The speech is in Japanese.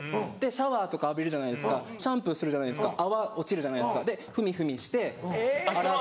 シャワーとか浴びるじゃないですかシャンプーするじゃないですか泡落ちるじゃないですかで踏み踏みして洗って。